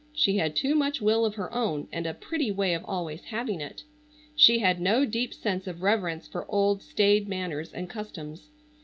She had too much will of her own and a pretty way of always having it. She had no deep sense of reverence for old, staid manners and customs.